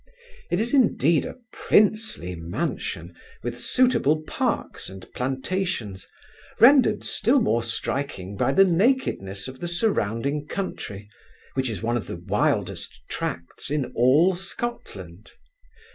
It is indeed a princely mansion, with suitable parks and plantations, rendered still more striking by the nakedness of the surrounding country, which is one of the wildest tracts in all Scotland.